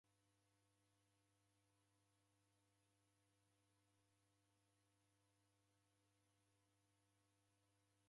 W'usafiri ghwa w'andu w'ose ni chia ipoiye yesela.